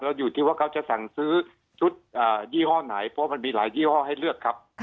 อยู่ที่ว่าเขาจะสั่งซื้อชุดยี่ห้อไหนเพราะมันมีหลายยี่ห้อให้เลือกครับ